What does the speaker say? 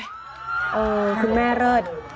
เออคุณแม่เลิศ